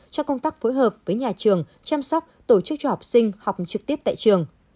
cho công tác phối hợp với nhà trường chăm sóc tổ chức cho học sinh học trực tiếp tại trường